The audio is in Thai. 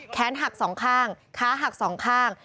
แขนหักสองข้างขาหักสองข้าง